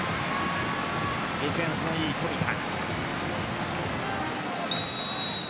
ディフェンスのいい富田。